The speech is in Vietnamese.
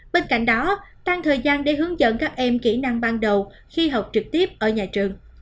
bên cạnh đó tăng thời gian để hướng dẫn các em kỹ năng ban đầu khi học trực tiếp ở nhà trường